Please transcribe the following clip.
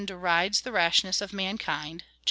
l75 derides the rashness of mankind (James iv.